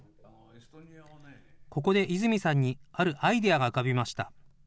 ここで泉さんに、あるアイデアが浮かびました。